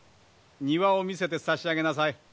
庭を見せて差し上げなさい。